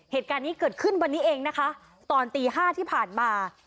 เหตุการณ์นี้เกิดขึ้นวันนี้เองนะคะตอนตี๕ที่ผ่านมา